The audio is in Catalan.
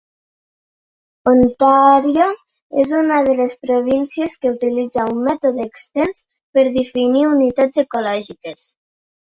Ontario és una de les províncies que utilitza un mètode extens per definir unitats ecològiques.